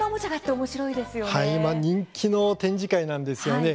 はい、今人気の展示会なんですよね。